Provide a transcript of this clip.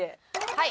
はい。